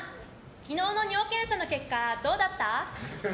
昨日の尿検査の結果どうだった？